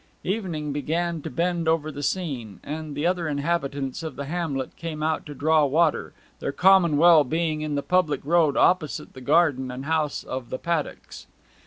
Evening began to bend over the scene; and the other inhabitants of the hamlet came out to draw water, their common well being in the public road opposite the garden and house of the Paddocks.